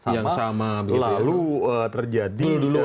yang sama lalu terjadi